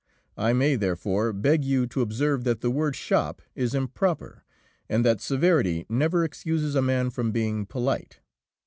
I may, therefore, beg you to observe that the word shop is improper, and that severity never excuses a man from being polite.